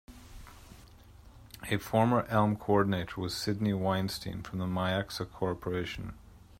A former Elm Coordinator was Sydney Weinstein from the Myxa Corporation.